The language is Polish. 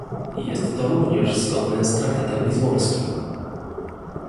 Jest to również zgodne z traktatem lizbońskim